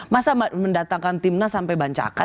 masa mendatangkan tim nasional sampai bancakan